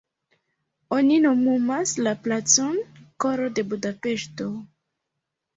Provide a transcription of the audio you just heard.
Oni nomumas la placon "koro de Budapeŝto".